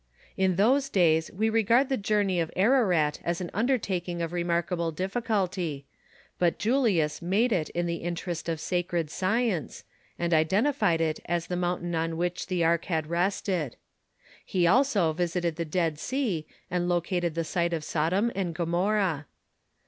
In these days we regard the journey to Ararat as an undertaking of remarkable difticulty, but Julius made it in the interest of sacred science, and identified it as the mountain on which the ark had rested. He also visited the Dead Sea, and located the site of Sodom and Gomorrah.